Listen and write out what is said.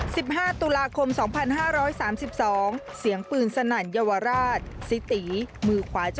สุดท้ายสุดท้ายสุดท้าย